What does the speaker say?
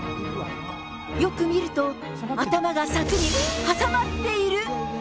よく見ると、頭が柵に挟まっている。